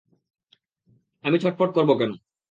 আমি ছটফট করব কেন?